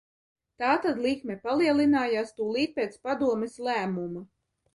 Tātad likme palielinājās tūlīt pēc Padomes lēmuma.